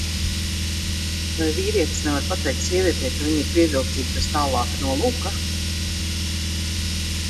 Vai vīrietis nevar pateikt sievietei, ka viņa ir pievilcīga bez tālāka nolūka?